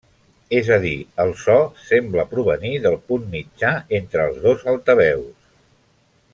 És a dir, el so sembla provenir del punt mitjà entre els dos altaveus.